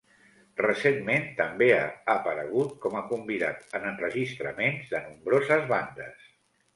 Recentment també ha aparegut com a convidat en enregistraments de nombroses bandes.